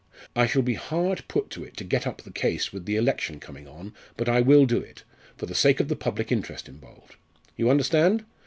I shall be hard put to it to get up the case with the election coming on, but I will do it for the sake of the public interest involved. You understand?